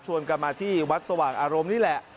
กลับมาที่วัดสว่างอารมณ์นี่แหละ